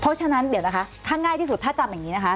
เพราะฉะนั้นเดี๋ยวนะคะถ้าง่ายที่สุดถ้าจำอย่างนี้นะคะ